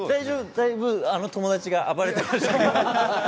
だいぶ友達が暴れていました。